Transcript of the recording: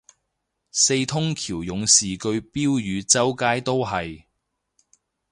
四通橋勇士句標語周街都係